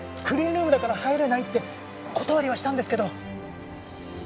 クリーンルームだから入れないって断りはしたんですけど